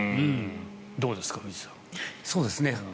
どうですか藤井さん。